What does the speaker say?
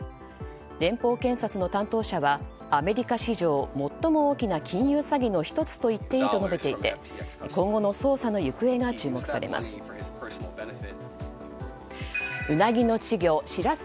連邦検察の担当者はアメリカ史上最も大きな金融詐欺の１つだといっていいと述べていて今後の捜査の行方が注目されます。